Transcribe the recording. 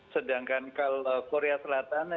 sedangkan kalau korea selatan